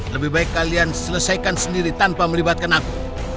lebih baik kalian selesaikan sendiri tanpa melibatkan aku